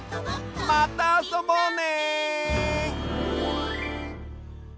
またあそぼうね！